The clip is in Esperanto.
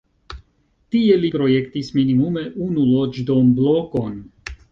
Tie li projektis minimume unu loĝdomblokon.